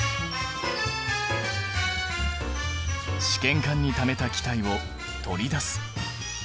試験管にためた気体を取り出す。